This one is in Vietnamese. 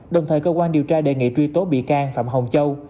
đồng thời cơ quan điều tra đề nghị truy tố bị can phạm hồng châu